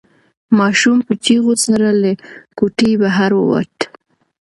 ماشوم په چیغو سره له کوټې بهر ووت.